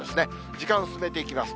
時間進めていきます。